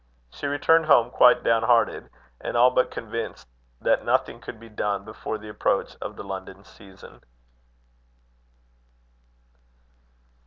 She returned home quite down hearted, and all but convinced that nothing could be done before the approach of the London season.